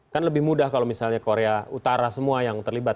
kan lebih mudah kalau misalnya korea utara semua yang terlibat